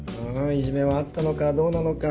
いじめはあったのかどうなのか。